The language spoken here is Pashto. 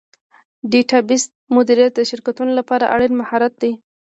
ډیټابیس مدیریت د شرکتونو لپاره اړین مهارت دی.